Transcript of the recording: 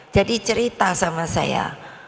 jadi cerita sama saya